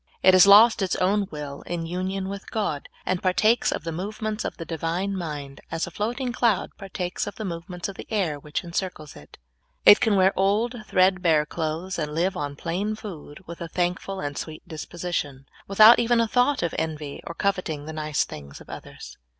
It has lost its own will in union with God, and partakes of the movements of the Divine mind, as a floating cloud partakes of the movements of the air which encircles it. It can wear old. thread bare clothes, and live on plain food, with a thank ful and sweet disposition, Avithout even a thought of envy, or coveting the nice things of others.